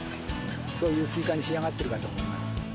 そういうスイカに仕上がってるかと思います。